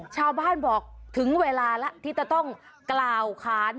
ชาวบ้านบอกถึงเวลาแล้วที่จะต้องกล่าวค้าน